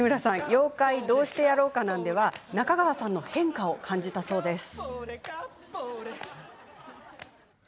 妖怪どうしてやろうかなんでは中川さんの変化を感じたそうです。